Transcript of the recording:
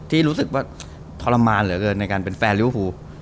ที่รู้สึกว่าทรมานเหลือเกินในการเป็นแฟนลิวฟู